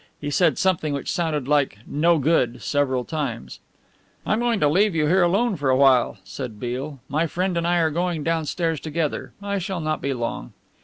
He said something which sounded like "No good," several times. "I'm going to leave you here alone for awhile," said Beale, "my friend and I are going downstairs together I shall not be long."